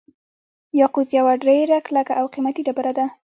یاقوت یوه ډیره کلکه او قیمتي ډبره ده.